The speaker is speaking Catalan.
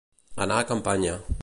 Anar a campanya.